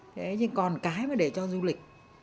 thế nhưng còn cái mà để cho du lịch